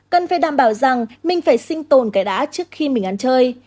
cần phải đảm bảo rằng mình phải sinh tồn cái đá trước khi mình ăn chơi